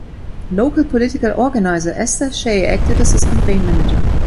Local political organizer Esther Shaye acted as his campaign manager.